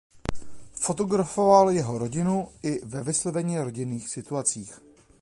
Fotografoval jeho rodinu i ve vysloveně rodinných situacích.